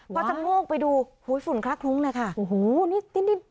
ก็จะมุกไปดูโอ้ยฝุ่นครักลุ้งเลยค่ะโอ้โหนี่นี่นี่